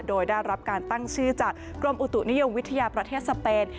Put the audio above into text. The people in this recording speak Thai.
โดยได้รับการตั้งชื่อจากกรมอุตุนิยมวิทยาประเทศสเปน